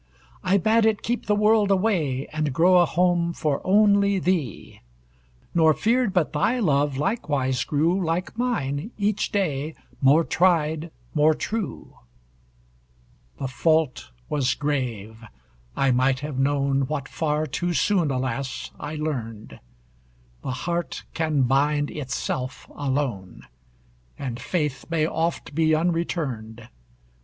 I bade it keep the world away, And grow a home for only thee; Nor feared but thy love likewise grew, Like mine, each day, more tried, more true. The fault was grave! I might have known, What far too soon, alas! I learned The heart can bind itself alone, And faith may oft be unreturned.